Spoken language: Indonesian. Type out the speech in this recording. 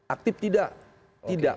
aktif tidak tidak